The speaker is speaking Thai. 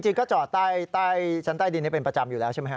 จริงก็จอดใต้ชั้นใต้ดินนี้เป็นประจำอยู่แล้วใช่ไหมฮะ